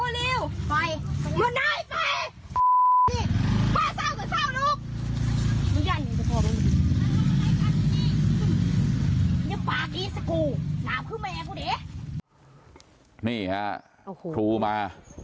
นี่ครับถูมา